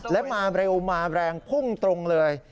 และมาเร็วมาแรงพุ่งตรงเลย